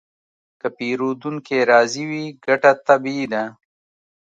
که پیرودونکی راضي وي، ګټه طبیعي ده.